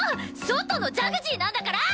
外のジャグジーなんだから！